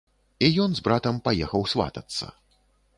І ён з братам паехаў сватацца.